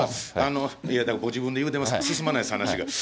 だから、ご自分で言うてます、進まないです、話が。